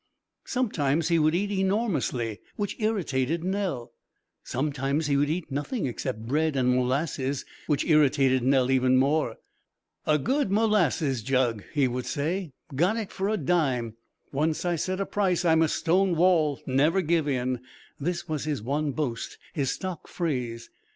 Sometimes he would eat enormously, which irritated Nell; sometimes he would eat nothing except bread and molasses, which irritated Nell even more. "A good molasses jug," he would say; "got it for a dime. Once I set a price I'm a stone wall; never give in." This was his one boast, his stock phrase.